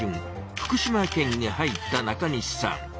福島県に入った中西さん。